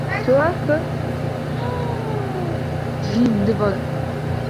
Men seni hech qachon yo’qotganim yo’q